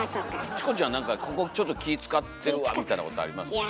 チコちゃんなんかここちょっと気ぃ遣ってるわみたいなことありますか？